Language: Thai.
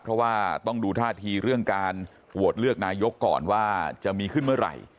เพราะว่าต้องดูท่าทีเรื่องการโหวตเลือกนายกก่อนว่าจะมีขึ้นเมื่อไหร่